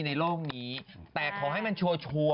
เอาเลิกแล้ว